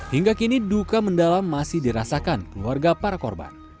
hingga kini duka mendalam masih dirasakan keluarga para korban